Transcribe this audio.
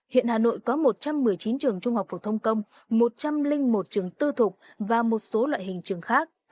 hiện hà nội có một trăm một mươi chín trường trung học phổ thông công một trăm linh một trường tư thục và một số loại hình trường khác